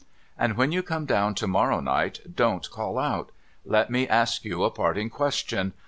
' And when you come down to morrow night, don't call out ! Let me ask you a parting question.